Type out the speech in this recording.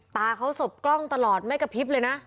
ตาเขาสบกล้องตลอดไม่กระพริบเลยนะ